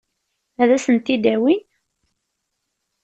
Ad sent-t-id-awin?